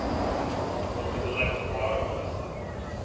"I thought they were like a barber's.